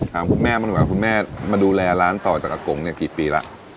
ถามคุณแม่มันกว่าคุณแม่มาดูแลร้านต่อจากอากงเนี่ยกี่ปีแล้ว